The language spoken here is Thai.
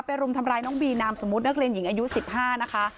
รุมทำร้ายน้องบีนามสมมุตินักเรียนหญิงอายุ๑๕นะคะ